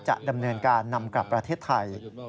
จะดำเนินการนำกลับประเทศไทย